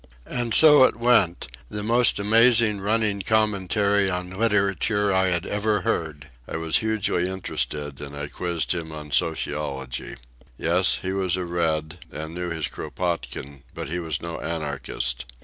And so it went, the most amazing running commentary on literature I had ever heard. I was hugely interested, and I quizzed him on sociology. Yes, he was a Red, and knew his Kropotkin, but he was no anarchist.